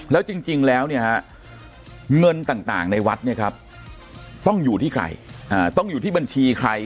แล้วจริงแล้วเนี่ยฮะเงินต่างในวัดเนี่ยครับต้องอยู่ที่ใครต้องอยู่ที่บัญชีใคร